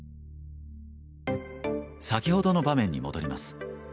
先ほどの場面に戻ります。